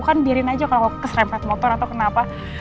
kan biarin aja kalau keserempet motor atau kenapa